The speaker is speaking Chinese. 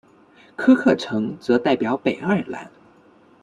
科克城则代表北爱尔兰。